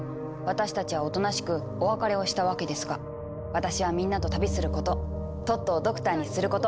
「私たちはおとなしくお別れをしたわけですが私はみんなと旅することトットをドクターにすること」。